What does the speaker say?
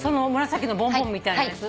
紫のボンボンみたいなやつ？